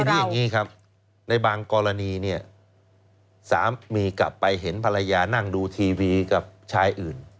คืออย่างนี้ครับในบางกรณีเนี่ยสามีกลับไปเห็นภรรยานั่งดูทีวีกับชายอื่น